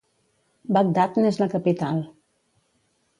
Bagdad n'és la capital.